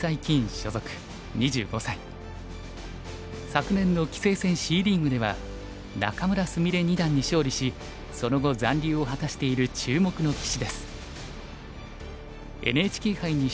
昨年の棋聖戦Ｃリーグでは仲邑菫二段に勝利しその後残留を果たしている注目の棋士です。